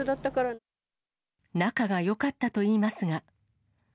仲がよかったといいますが。